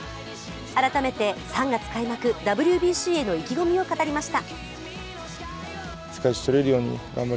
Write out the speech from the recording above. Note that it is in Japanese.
改めて３月開幕・ＷＢＣへの意気込みを語りました。